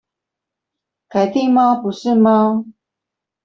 凱蒂貓不是貓